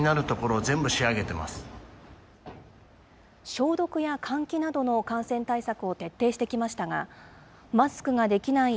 消毒や換気などの感染対策を徹底してきましたが、マスクができない